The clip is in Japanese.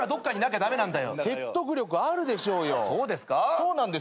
そうなんですよ。